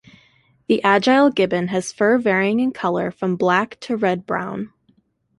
The agile gibbon has fur varying in color from black to red-brown.